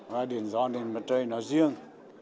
và điện gió điện mặt trời nói riêng